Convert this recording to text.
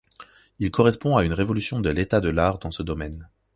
Il correspond à une révolution de l'état de l'art dans ce domaine.